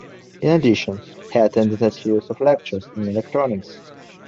In addition, he attended a series of lectures in electronics.